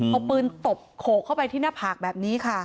เอาปืนตบโขกเข้าไปที่หน้าผากแบบนี้ค่ะ